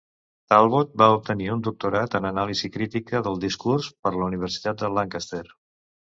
Talbot va obtenir un doctorat en anàlisi crítica del discurs per la Universitat de Lancaster.